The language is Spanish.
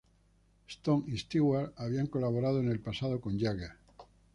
Stone y Stewart habían colaborado en el pasado con Jagger.